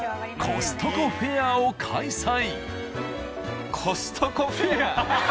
コストコフェアを開催。